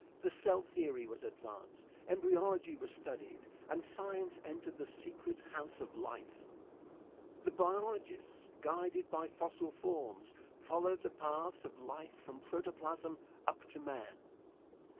The cell theory was advanced, embryology was studied and science entered the secret house of life. The biologists, guided by fossil forms, followed the paths of life from protoplasm up to man.